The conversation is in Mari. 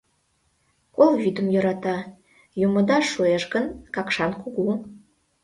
Кол вӱдым йӧрата, йӱмыда шуэш гын, Какшан кугу.